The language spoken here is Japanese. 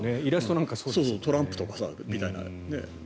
トランプとかみたいな。